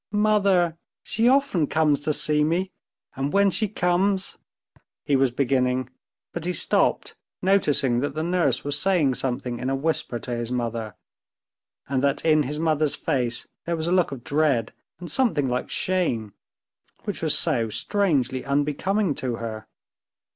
"Mother! She often comes to see me, and when she comes...." he was beginning, but he stopped, noticing that the nurse was saying something in a whisper to his mother, and that in his mother's face there was a look of dread and something like shame, which was so strangely unbecoming to her.